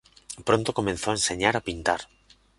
Pronto empezó a enseñar a pintar.